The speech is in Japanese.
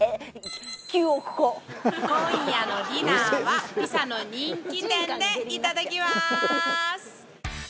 今夜のディナーはピサの人気店でいただきます